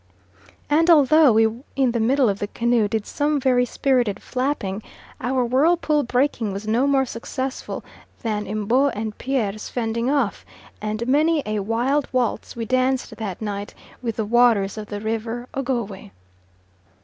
And although we in the middle of the canoe did some very spirited flapping, our whirlpool breaking was no more successful than M'bo and Pierre's fending off, and many a wild waltz we danced that night with the waters of the River Ogowe.